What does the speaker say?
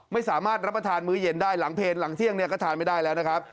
ไม่สามารถรับประทานมื้อเย็นได้หลังเพลงหลังเที่ยงเนี่ยก็ทานไม่ได้แล้วนะครับ